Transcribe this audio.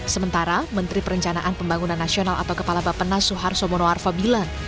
sementara menteri perencanaan pembangunan nasional atau kepala bapak nasuhar somonoarfa bilang